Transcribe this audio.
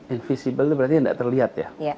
invisible itu berarti yang nggak terlihat ya